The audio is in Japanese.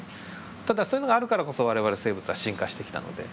ただそういうのがあるからこそ我々生物は進化してきたので。